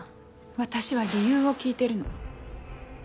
私は理由を聞いてるの。